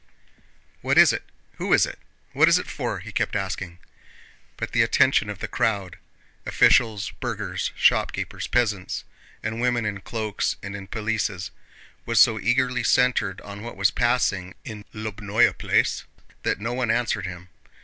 "What is it? Who is it? What is it for?" he kept asking. But the attention of the crowd—officials, burghers, shopkeepers, peasants, and women in cloaks and in pelisses—was so eagerly centered on what was passing in Lóbnoe Place that no one answered him.